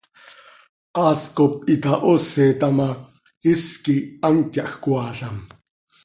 Haas cop itahooseta ma, is quih hant yahjcoaalam.